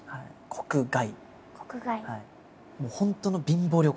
国外。